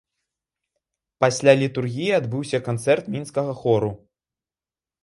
Пасля літургіі адбыўся канцэрт мінскага хору.